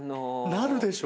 なるでしょ？